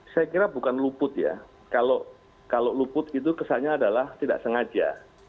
saya kira bukan luput ya kalau luput itu kesannya adalah tidak sengaja